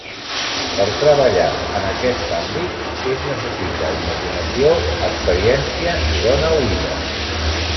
Per treballar en aquest àmbit es necessita imaginació, experiència i bona oïda.